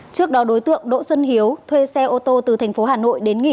trước đó đối tượng đỗ xuân hiếu thuê xe ô tô từ tp hà nội đến nghỉ